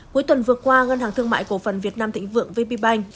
cuối tuần vừa qua ngân hàng thương mại cổ phần việt nam thịnh vượng vp bank